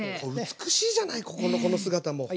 美しいじゃないここのこの姿も。